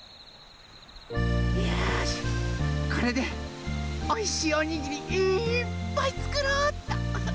よしこれでおいしいおにぎりいっぱいつくろうっと。